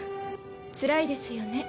つらいですよね